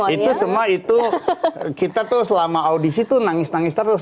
itu semua itu kita tuh selama audisi tuh nangis nangis terus